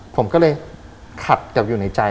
ผมก็เลยขัดกับอยู่ในใจ